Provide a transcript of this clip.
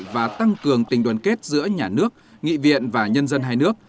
và tăng cường tình đoàn kết giữa nhà nước nghị viện và nhân dân hai nước